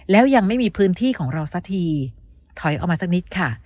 แล้วยังไม่มีพื้นที่ของเราสักทีถอยออกมาสักนิดค่ะ